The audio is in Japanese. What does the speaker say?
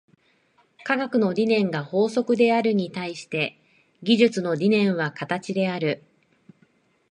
科学の理念が法則であるに対して、技術の理念は形である。